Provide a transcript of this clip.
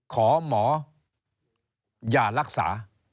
ขอหมออย่ารักษา